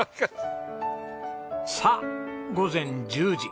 さあ午前１０時。